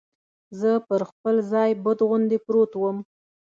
زه پر خپل ځای بت غوندې پروت ووم.